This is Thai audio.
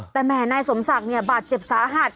แต่แหมนายสมศักดิ์เนี่ยบาดเจ็บสาหัส